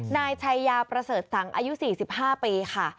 นายชัยยาประเสริฐสังอายุ๔๕ปีค่ะ